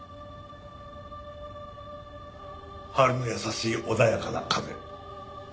「春の優しい穏やかな風」。